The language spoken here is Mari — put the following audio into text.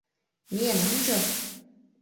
Миен ончо!